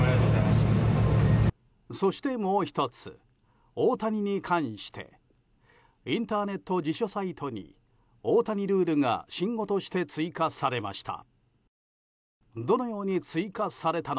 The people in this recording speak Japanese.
そしてもう１つ、大谷に関してインターネット辞書サイトに大谷ルールが新語として追加されました。